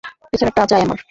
পেছনেরটা চাই আমার।